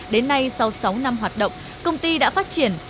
đến nay sau sáu năm hoạt động công ty đã phát triển